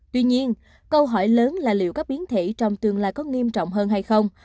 tuy nhiên câu hỏi lớn là liệu các biến thể trong tương lai có nghiêm trọng hơn hay không